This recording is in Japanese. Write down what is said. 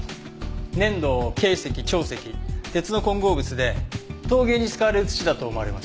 粘土珪石長石鉄の混合物で陶芸に使われる土だと思われます。